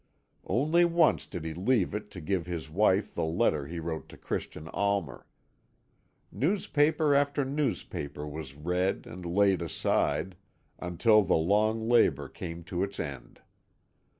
Only once did he leave it to give his wife the letter he wrote to Christian Almer. Newspaper after newspaper was read and laid aside, until the long labour came to its end.